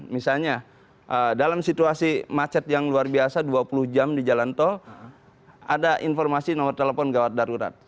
misalnya dalam situasi macet yang luar biasa dua puluh jam di jalan tol ada informasi nomor telepon gawat darurat